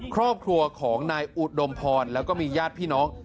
ครอบครัวของนายอุดมพรแล้วก็มีญาติพี่น้อง